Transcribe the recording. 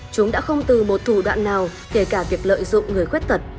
chúng đã không từ một thủ đoạn nào kể cả việc lợi dụng người khuyết tật